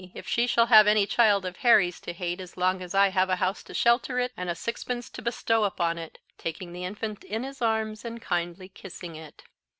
if she shall have any child of Harry's to hate as long as I have a house to shelter it and a sixpence to bestow upon it," taking the infant in his arms, and kindly kissing it.